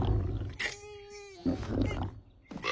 うっ。